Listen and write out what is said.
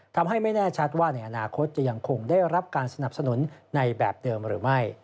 ทำให้ไม่แน่ชัดว่าในอนาคตจะยังคงได้รับการสนับสนุนในแบบเดิมหรือไม่